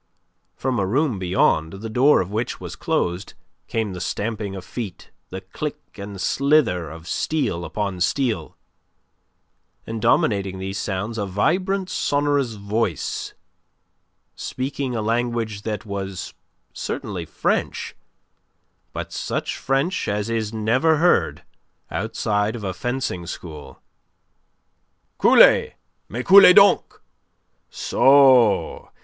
From a room beyond, the door of which was closed, came the stamping of feet, the click and slither of steel upon steel, and dominating these sounds a vibrant sonorous voice speaking a language that was certainly French; but such French as is never heard outside a fencing school. "Coulez! Mais, coulez donc!.... So!